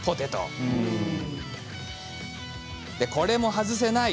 でこれも外せない！